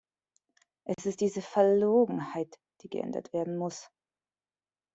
Es ist diese Verlogenheit, die geändert werden muss.